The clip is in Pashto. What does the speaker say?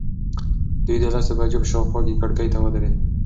دی د لسو بجو په شاوخوا کې کړکۍ ته ودرېد.